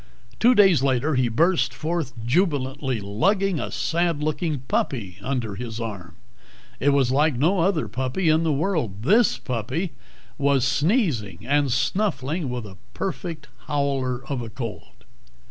Two days later he burst forth jubilantly, lugging a sad looking puppy under his arm. It was like no other puppy in the world. This puppy was sneezing and snuffling with a perfect howler of a cold.